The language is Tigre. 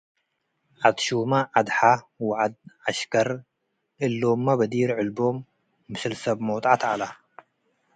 ዐድ-ሹመ፣ ዐድ-ሐ ወዐድ-ዐሽከር እሎምመ በዲር ዕልቦም ምስል ሰብ ሞጥዐት ዐለ ።